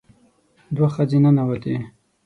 دوه ښځې ننوتې.